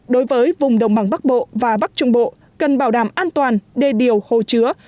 đối với vùng đồng bằng bắc bộ và bắc trung bộ cần bảo đảm an toàn đê điều hồ chứa